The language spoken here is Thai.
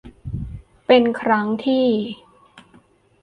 เป็นครั้งที่